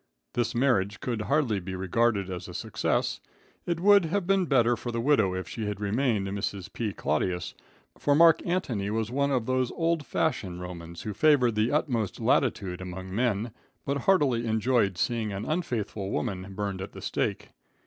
This marriage could hardly be regarded as a success. It would have been better for the widow if she had remained Mrs. P. Clodius, for Mark Antony was one of those old fashioned Romans who favored the utmost latitude among men, but heartily enjoyed seeing an unfaithful woman burned at the stake.